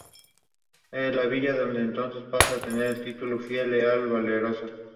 Durante ese siglo, Mónaco sufrió serias vicisitudes que amenazaron su independencia nacional.